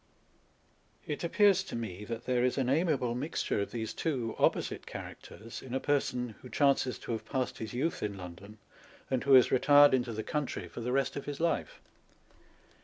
It appears to me that there is an amiable mixture of these two opposite characters in a person who chances to have passed his youth in London, and who has retired into the country for the rest of his life.